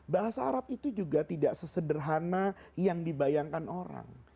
bahasa arab itu juga tidak sesederhana yang dibayangkan orang